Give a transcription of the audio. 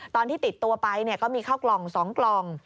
ตอนที่ติดตัวไปก็มีข้าวกล่อง๒กล่อง